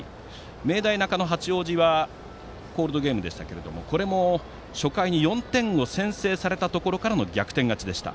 明大中野八王子との試合はコールドゲームでしたがこれも初回に４点を先制されたところからの逆転勝ちでした。